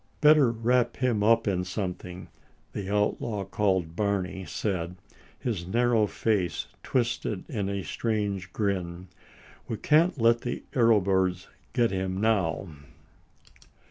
"Better wrap him up in something," the outlaw called Barney said, his narrow face twisted in a strange grin. "We can't let the arrow birds get him now."